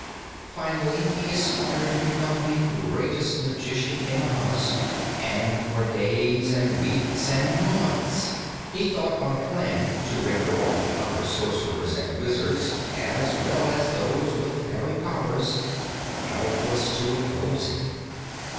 Finally, he aspired to become the greatest magician in Oz, and for days and weeks and months he thought on a plan to render all the other sorcerers and wizards, as well as those with fairy powers, helpless to oppose him.